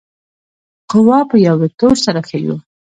قوه په یو وکتور سره ښیو.